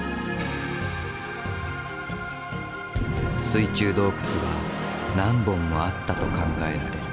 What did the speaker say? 水中洞窟は何本もあったと考えられる。